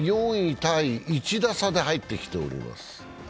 タイ、１打差で入ってきております。